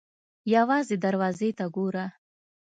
_ يوازې دروازې ته ګوره!